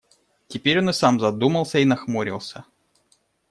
Теперь он и сам задумался и нахмурился.